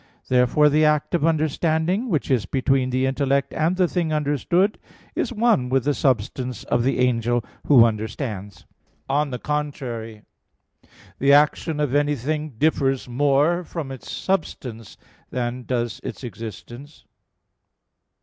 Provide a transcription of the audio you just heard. Therefore the act of understanding, which is between the intellect and the thing understood, is one with the substance of the angel who understands. On the contrary, The action of anything differs more from its substance than does its existence.